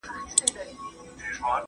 زه اوس د ښوونځي کتابونه مطالعه کوم..